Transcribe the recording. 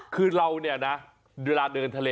คือเราเนี่ยนะเวลาเดินทะเล